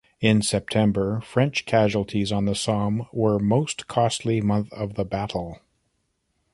In September French casualties on the Somme were most costly month of the battle.